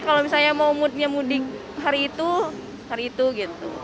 kalau misalnya mau moodnya mudik hari itu hari itu gitu